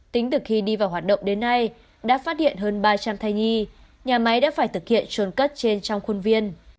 tính từ khi đi vào hoạt động đến nay đã phát hiện hơn ba trăm linh thai nhi nhà máy đã phải thực hiện trồn cất trên trong khuôn viên